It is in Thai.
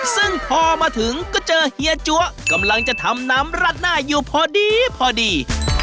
ซึ่งพอมาถึงก็เจอเฮียจั๊วกำลังจะทำน้ำรัดหน้าอยู่พอดีพอดี